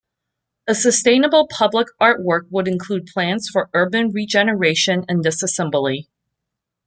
A sustainable public art work would include plans for urban regeneration and disassembly.